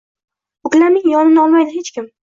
koʼklamning yonini olmaydi hech kim